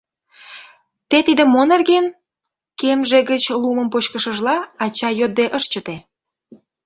— Те тиде мо нерген? — кемже гыч лумым почкышыжла, ача йодде ыш чыте.